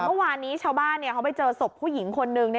เมื่อวานนี้ชาวบ้านเขาไปเจอศพผู้หญิงคนนึง